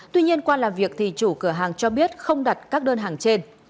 tuy nhiên qua làm việc thì chủ cửa hàng cho biết không đặt các đơn hàng trên